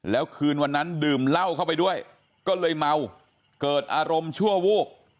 แล้วคืนวันนั้นดื่มเหล้าเข้าไปด้วยก็เลยเมาเกิดอารมณ์ชั่ววูบ